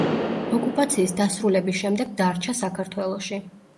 ოკუპაციის დასრულების შემდეგ დარჩა საქართველოში.